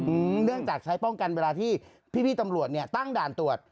เนื่องจากใช้ป้องกันเวลาที่พี่พี่ตำรวจเนี้ยตั้งด่านตรวจ